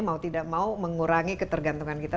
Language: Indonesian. mau tidak mau mengurangi ketergantungan kita